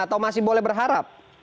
atau masih boleh berharap